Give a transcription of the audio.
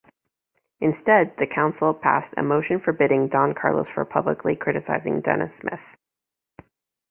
Instead, the council passed a motion forbidding Don Carlos from publicly criticising Denis Smith.